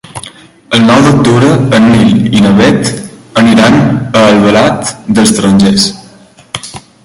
El nou d'octubre en Nil i na Bet aniran a Albalat dels Tarongers.